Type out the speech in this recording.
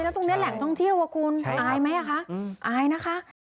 แล้วตรงนี้แหล่งท่องเที่ยวอ่ะคุณอายไหมคะอายนะคะ